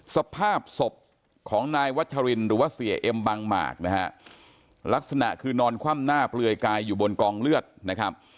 สภาพศพของนายวัชรินหรือว่าเสียเอ็มบางหมากนะฮะลักษณะคือนอนคว่ำหน้าเปลือยกายอยู่บนกองเลือดนะครับ